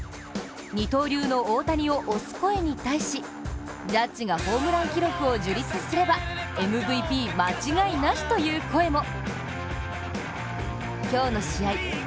二刀流の大谷を推す声に対しジャッジがホームラン記録を樹立すればＭＶＰ間違いなしという声も。